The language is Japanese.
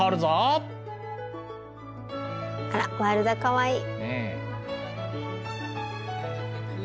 あらワルダかわいい。